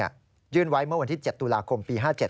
ยื่นไว้เมื่อวันที่๗ตุลาคมปี๕๗